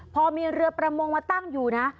พอมีเรือประมงมาตั้งอยู่นะ